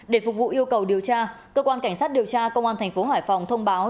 để phục vụ yêu cầu điều tra cơ quan cảnh sát điều tra công an thành phố hải phòng thông báo